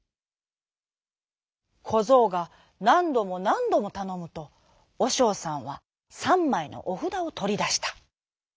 こぞうがなんどもなんどもたのむとおしょうさんはさんまいのおふだをとりだした。